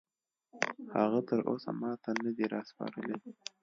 هغه تراوسه ماته نه دي راسپارلي